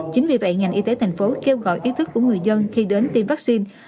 chính vì vậy ngành y tế tp hcm kêu gọi ý thức của người dân khi đến tiêm vaccine